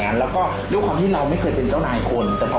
ทำไมต้องทำอะไรเอาแต่แบบอลังกายขนาดนั้น